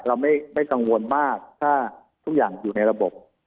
เราไม่กังวลมากถ้าทุกอย่างอยู่ในระบบ